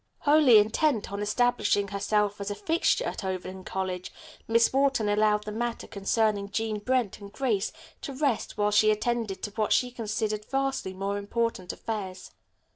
Wholly intent on establishing herself as a fixture at Overton College, Miss Wharton allowed the matter concerning Jean Brent and Grace to rest while she attended to what she considered vastly more important affairs.